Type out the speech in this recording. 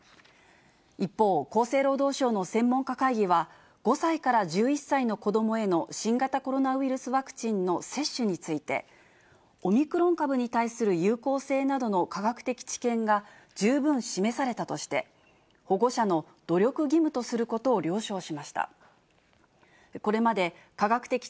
一方、厚生労働省の専門家会議は、５歳から１１歳の子どもへの新型コロナウイルスワクチンの接種について、オミクロン株に対する有効性などの科学的知見が十分示されたとして、保護者の努力義務とすることを了承しました。